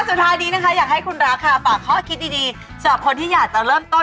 สุดท้ายนี้อยากให้คุณรักคะ